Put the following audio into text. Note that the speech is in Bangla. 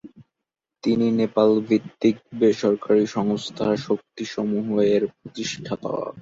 তিনি নেপাল ভিত্তিক বেসরকারি সংস্থা "শক্তি সমুহ"-এর প্রতিষ্ঠাতা।